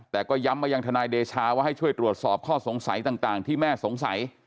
แต่ก็ย้ำมายังทนายเดชาว่าให้ช่วยตรวจสอบข้อสงสัยต่างที่แม่สงสัย